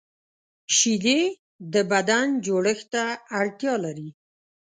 شیدې د بدن جوړښت ته اړتیا لري